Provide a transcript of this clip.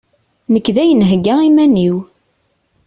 Nekk dayen heggaɣ iman-iw!